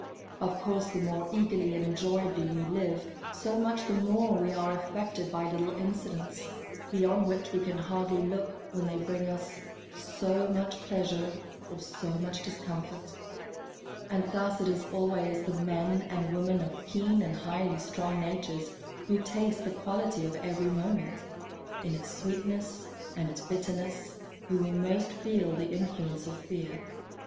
Of course the more eagerly and enjoyably we live, so much the more we are affected by little incidents, beyond which we can hardly look when they bring us so much pleasure or so much discomfort; and thus it is always the men and women of keen and highly strung natures, who taste the quality of every moment, in its sweetness and its bitterness, who will most feel the influence of fear.